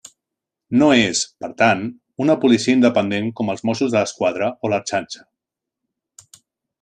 No és, per tant, una policia independent com els Mossos d'Esquadra o l'Ertzaintza.